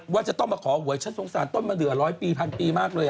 ว่าจะต้องมาขอหวยฉันสงสารต้นมาเดือร้อยปีพันปีมากเลย